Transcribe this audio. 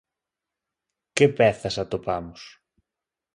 Que pezas atopamos?